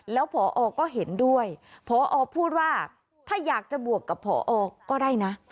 แล้วพอก็เห็นด้วยพอพูดว่าถ้าอยากจะบวกกับผอก็ได้นะ